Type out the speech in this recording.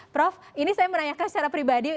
prof ini saya menanyakan secara pribadi